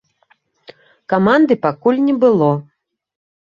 Каманды пакуль не было.